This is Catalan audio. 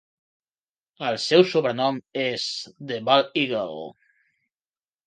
El seu sobrenom és "The Bald Eagle".